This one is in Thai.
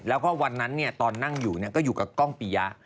แล้วก็วันนั้นตอนนั่งอยู่ก็อยู่กับกล้องปียะ